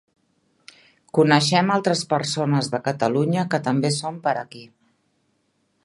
Coneixem altres persones de Catalunya que també són per aquí.